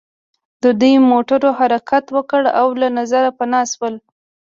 د دوی موټرو حرکت وکړ او له نظره پناه شول